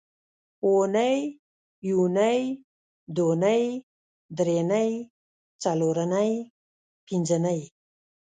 اونۍ یونۍ دونۍ درېنۍ څلورنۍ پینځنۍ